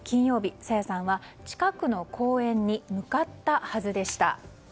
朝芽さんは近くの公園に向かったはずでした。